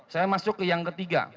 saya masuk ke yang ketiga